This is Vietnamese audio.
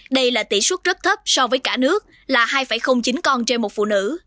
đây là tỷ suất rất thấp so với cả nước là hai chín con trên một phụ nữ